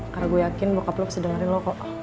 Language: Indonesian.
karena gue yakin bokap lo pasti dengerin lo kok